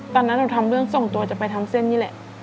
ตอนนั้นเราทำเรื่องส่งตัวจะไปทำเส้นนี่แหละ